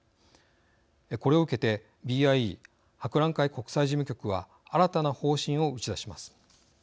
これを受けてＢＩＥ＝博覧会国際事務局は新たな方針を打ち出します。